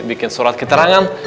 bikin surat keterangan